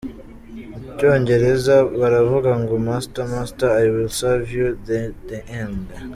Mu cyongereza baravuga ngo master master I will serve you to the end.